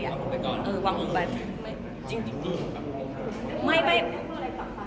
จริงที่คุณคำถามกับน้องคู่